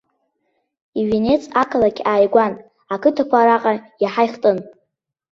Ивенец ақалақь ааигәан, ақыҭақәа араҟа иаҳа ихтын.